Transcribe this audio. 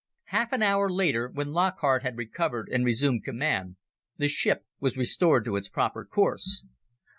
Half an hour later, when Lockhart had recovered and resumed command, the ship was restored to its proper course.